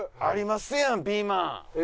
ありますやんピーマン！